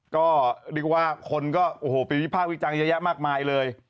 ก็คือว่าคนก็ไปวิพากษ์วิจัยเยอะแยะมากมายเลย